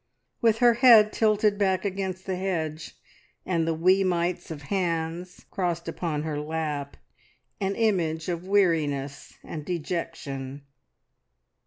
With her head tilted back against the hedge, and the wee mites of hands crossed upon her lap an image of weariness and dejection.